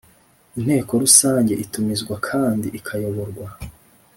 Inteko rusange itumizwa kandi ikayoborwa